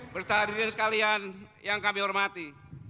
bertahadir sekalian yang kami hormati